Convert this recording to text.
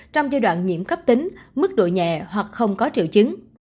trong giai đoạn nhiễm cấp tính mức độ nhẹ hoặc không có triệu chứng